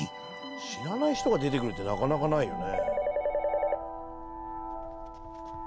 知らない人が出てくるってなかなかないよね。